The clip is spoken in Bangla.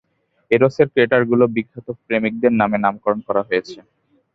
এরোসের ক্রেটারগুলো বিখ্যাত প্রেমিকদের নামে নামকরণ করা হয়েছে।